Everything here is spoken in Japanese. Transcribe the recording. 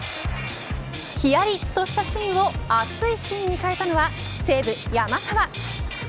ひやりとしたシーンを熱いシーンに変えたのは西武山川。